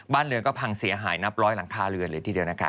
เรือก็พังเสียหายนับร้อยหลังคาเรือนเลยทีเดียวนะคะ